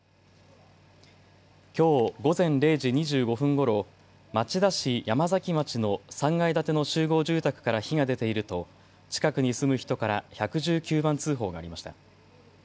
きょう午前０時２５分ごろ町田市山崎町の３階建ての集合住宅から火が出ていると近くに住む人から１１９番通報がありました。